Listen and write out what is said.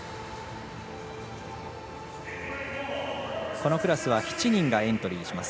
このクラスは７人がエントリーします。